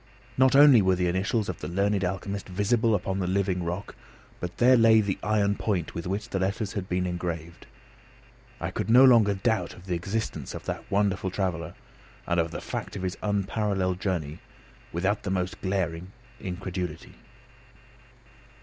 Not only were the initials of the learned alchemist visible upon the living rock, but there lay the iron point with which the letters had been engraved. I could no longer doubt of the existence of that wonderful traveller and of the fact of his unparalleled journey, without the most glaring incredulity.